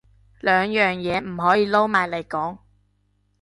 兩樣嘢唔可以撈埋嚟講